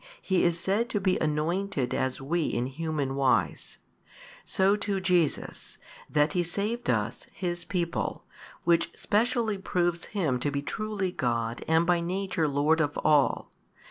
He is said to be anointed as we in human wise; so too Jesus, that He saved us His people, which specially proves Him to be truly God and by Nature Lord of all.